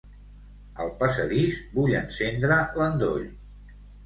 Al passadís, vull encendre l'endoll.